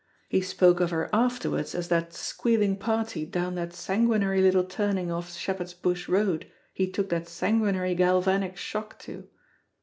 He spoke of her afterwards as that squealing party down that sanguinary little turning off Shepherd's Bush Road he took that sanguinary galvanic shock to."